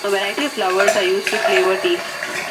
A variety of flowers are used to flavour teas.